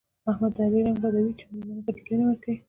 احمد د علي رنګ بدوي چې مېلمانه ته ډوډۍ نه ورکوي.